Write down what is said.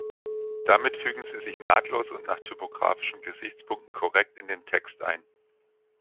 Damit fügen sie sich nahtlos und nach typografischen Gesichtspunkten korrekt in den Text ein.